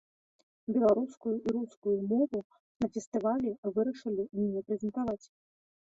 Беларускую і рускую мову на фестывалі вырашылі не прэзентаваць.